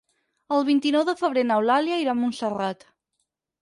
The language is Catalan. El vint-i-nou de febrer n'Eulàlia irà a Montserrat.